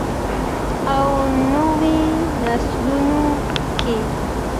او نویو نسلونو کې.